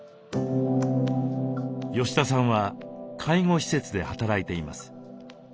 吉田さんは介護施設で働いています。